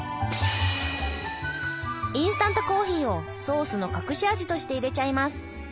インスタントコーヒーをソースの隠し味として入れちゃいます！